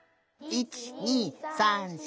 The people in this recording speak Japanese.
１２３４！